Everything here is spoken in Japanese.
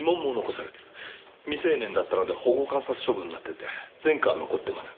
未成年だったので保護観察処分になっていて前科は残ってません。